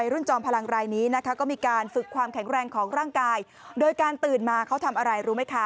คุณอริยาสักวันหนึ่งคุณต้องทำได้